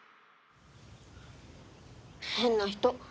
変な人。